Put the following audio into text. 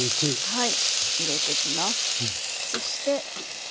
はい。